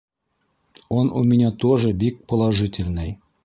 Он у меня тоже бик положительный!